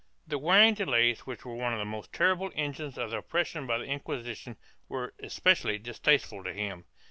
1 The wearing delays, which were one of the most terrible engines of oppression by the Inquisition, were especially distasteful to him.